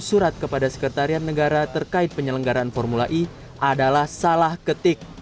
surat kepada sekretariat negara terkait penyelenggaran formula e adalah salah ketik